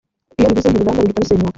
iyo bibuze ntiruramba ruhita rusenyuka